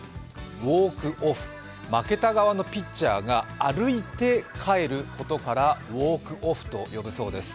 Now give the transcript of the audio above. ウォーク・オフ、負けた側のピッチャーが歩いて帰ることから、ウォーク・オフというそうです。